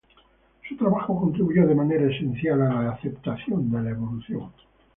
Su trabajo contribuyó de manera esencial a la aceptación de la evolución.